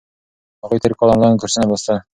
هغوی تیر کال انلاین کورسونه لوستل.